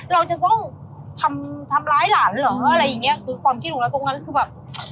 เราจะต้องทำร้ายหลานเหรออะไรอย่างเงี้ยคือความคิดของเราตรงนั้นคือแบบ